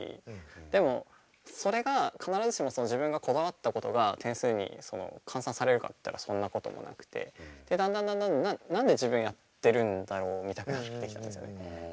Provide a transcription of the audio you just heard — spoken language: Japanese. でもそれが必ずしもその自分がこだわったことが点数に換算されるかっていったらそんなこともなくてだんだんだんだん何で自分やってるんだろうみたくなってきたんですよね。